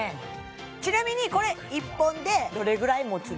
ちなみにこれ１本でどれぐらいもつの？